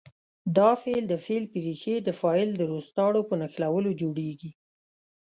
دا فعل د فعل په ریښې د فاعل د روستارو په نښلولو جوړیږي.